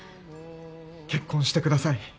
結婚してください。